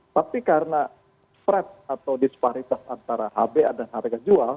tapi karena stret atau disparitas antara hba dan harga jual